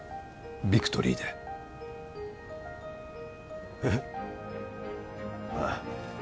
ビクトリーでえっまあ